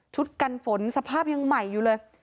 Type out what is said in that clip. กันฝนสภาพยังใหม่อยู่เลย